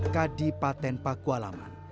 kadi paten pakualaman